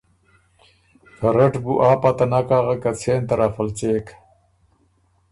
ته رټ بُو آ پته نک اغک که څېن طرف ال څېک۔